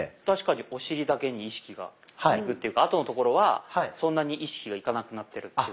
確かにお尻だけに意識がいくっていうかあとのところはそんなに意識がいかなくなってる。